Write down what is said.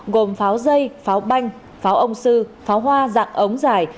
gồm pháo dây pháo banh pháo ông sư pháo hoa dạng ống dài